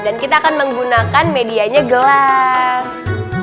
dan kita akan menggunakan medianya gelas